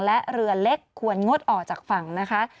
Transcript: และเรือเล็กควรงดออกจากฝั่งนะคะ